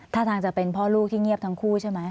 ถ้าทางจะเป็นพ่อลูกที่เงียบทั้งคู่ใช่ไหม